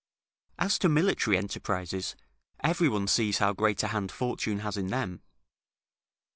As to military enterprises, every one sees how great a hand Fortune has in them.